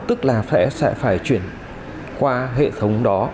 tức là sẽ phải chuyển qua hệ thống đó